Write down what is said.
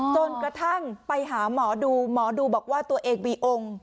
จนกระทั่งไปหาหมอดูหมอดูบอกว่าตัวเองมีองค์